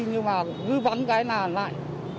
nhưng mà cứ vắng cái là lại